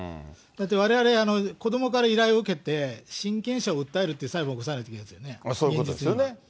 だってわれわれ、子どもから依頼を受けて、親権者を訴えるという裁判を起こさなきゃいけないですよね、そういうことですよね。